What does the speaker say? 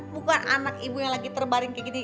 bukan anak ibu yang lagi terbaring kayak gini